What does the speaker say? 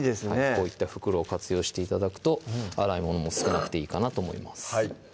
こういった袋を活用して頂くと洗い物も少なくていいかなと思います